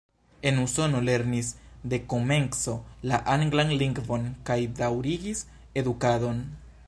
En Usono lernis de komenco la anglan lingvon kaj daŭrigis edukadon.